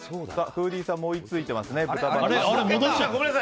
フーディーさんも追いついていますね。